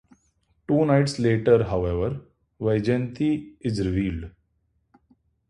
Two nights later however, Vyjayanti is revealed.